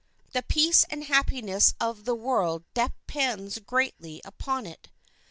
The peace and happiness of the world depends greatly upon it.